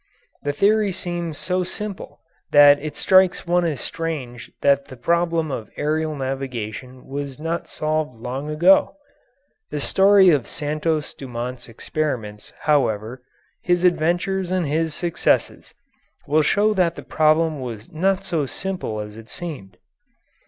The theory seems so simple that it strikes one as strange that the problem of aerial navigation was not solved long ago. The story of Santos Dumont's experiments, however, his adventures and his successes, will show that the problem was not so simple as it seemed.